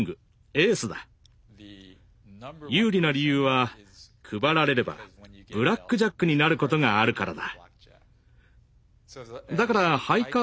有利な理由は配られればブラックジャックになることがあるからだ。